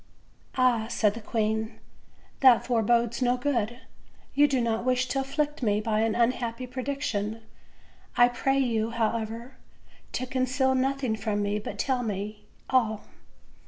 "Ah!" said the queen, "that forebodes no good; you do not wish to afflict me by an unhappy prediction; I pray you however, to conceal nothing from me, but tell me all."